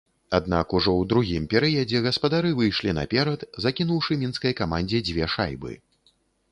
Аднак ужо ў другім перыядзе гаспадары выйшлі наперад, закінуўшы мінскай камандзе дзве шайбы.